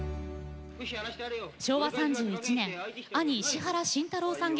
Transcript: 昭和３１年兄・石原慎太郎さん